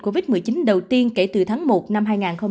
covid một mươi chín đầu tiên kể từ tháng một năm hai nghìn hai mươi